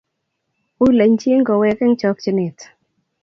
Wui lechi kowek eng chokchinet